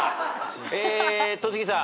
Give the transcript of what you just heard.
えー戸次さん。